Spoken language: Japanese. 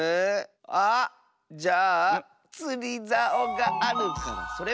あじゃあつりざおがあるからそれは？